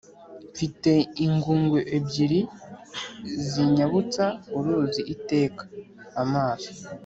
Mfite ingungu ebyiri zinyambutsa uruzi iteka.-Amaso.